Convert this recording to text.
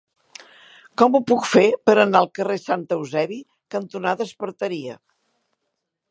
Com ho puc fer per anar al carrer Sant Eusebi cantonada Esparteria?